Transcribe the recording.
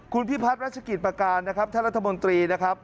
คุณพิพัฒน์รัชกิจประการนะครับท่านรัฐมนตรีนะครับ